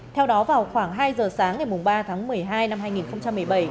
theo đó vào khoảng hai giờ sáng ngày ba tháng một mươi hai năm hai nghìn một mươi bảy